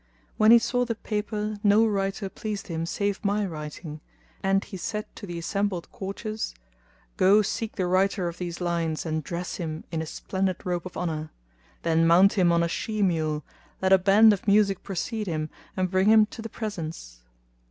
When he saw the paper no writing pleased him save my writing; and he said to the assembled courtiers, "Go seek the writer of these lines and dress him in a splendid robe of honour; then mount him on a she mule,[FN#236] let a band of music precede him and bring him to the presence."